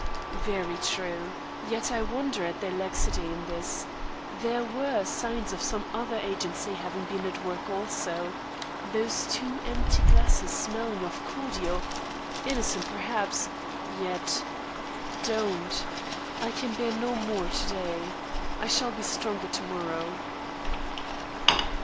"Very true. Yet I wonder at their laxity in this. There were signs of some other agency having been at work also. Those two empty glasses smelling of cordial innocent perhaps yet " "Don't! I can bear no more to day. I shall be stronger to morrow."